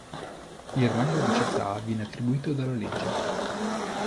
Il rango di città viene attribuito dalla legge.